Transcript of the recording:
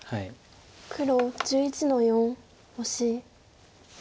黒１１の四オシ。